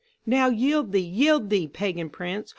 "Now yield thee, yield thee, pagan prince.